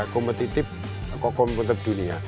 kompetitif kokom pun terdunia